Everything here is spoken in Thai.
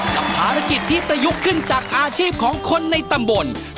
กับภารกิจที่ประยุกต์ขึ้นจากอาชีพของคนในตำบล